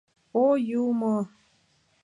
О, юмо!